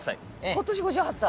今年５８歳？